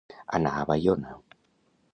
Anar a Baiona.